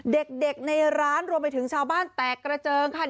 เด็กในร้านรวมไปถึงชาวบ้านแตกกระเจิงค่ะ